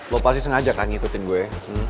lo pasti sengaja kan ngikutin gue ya